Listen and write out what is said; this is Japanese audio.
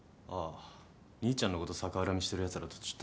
兄ちゃんのこと逆恨みしてるやつらとちょっとな。